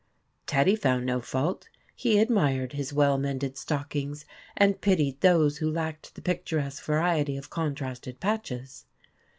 Teddy found no fault. He admired his well mended stockings, and pitied those who lacked the picturesque variety of contrasted patches.